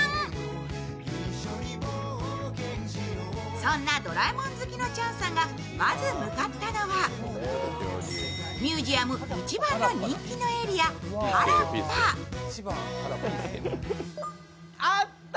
そんなドラえもん好きのチャンさんがまず向かったのはミュージアム一番人気のエリア、はらっぱ。